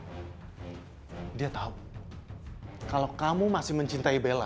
dia tahu kalau kamu masih mencintai bella